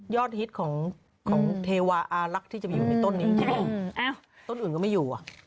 ยอดฮิตของของเทวาอารักษ์ที่จะอยู่ในต้นนี้อืมเอ้าต้นอื่นก็ไม่อยู่อ่ะ